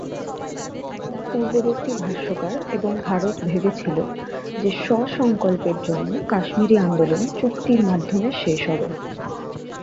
পূর্ববর্তী ভাষ্যকার এবং ভারত ভেবেছিল যে স্ব-সংকল্পের জন্য কাশ্মীরি আন্দোলন চুক্তির মাধ্যমে শেষ হবে।